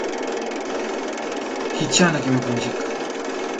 Kichana kimevunjika